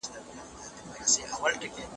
علمي غنا زموږ د ژوند لوړ هدف دی.